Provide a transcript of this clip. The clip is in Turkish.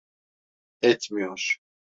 Etmiyor.